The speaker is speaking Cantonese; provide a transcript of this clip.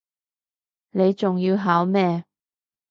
你仲要考咩